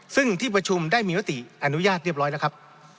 ซึ่งที่ประชุมได้มีมติอนุญาตเรียบร้อยแล้วครับ